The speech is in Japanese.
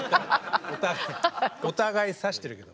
お互いさしてるけど。